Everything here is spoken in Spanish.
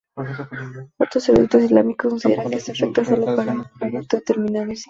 Otros eruditos islámicos consideran que esto afecta sólo para un momento determinado.